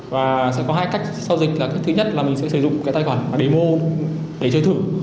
và sẽ có hai cách sau dịch là cách thứ nhất là mình sẽ sử dụng cái tài khoản mà demo để chơi thử